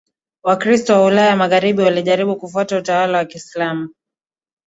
Wakristo wa Ulaya Magharibi walijaribu kufuta utawala wa Kiislamu